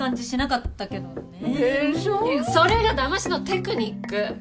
それがだましのテクニック。